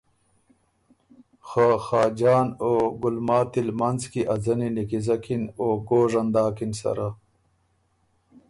خه خاجان او ګلماتی ل منځ کی ا ځنی نیکیزکِن او ګوژن داکِن سره۔